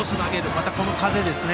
また、この風ですね。